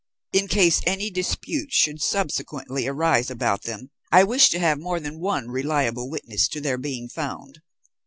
In case any dispute should subsequently arise about them, I wish to have more than one reliable witness to their being found.